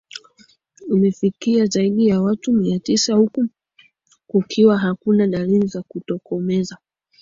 imefikia zaidi ya watu mia tisa huku kukiwa hakuna dalili za kutokomeza